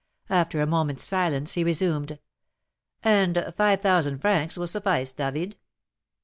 After a moment's silence he resumed: "And five thousand francs will suffice, David?"